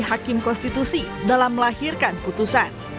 hakim konstitusi dalam melahirkan putusan